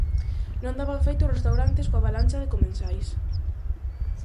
Non daban feito os restaurantes coa avalancha de comensais.